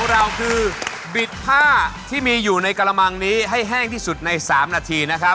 เราคือบิดผ้าที่มีอยู่ในกระมังนี้ให้แห้งที่สุดใน๓นาทีนะครับ